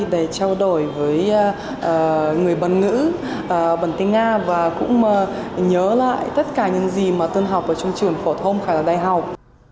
để trao đổi với người bản ngữ bản tiếng nga và cũng nhớ lại tất cả những gì mà tuần học ở trung trường phổ thông khả đại học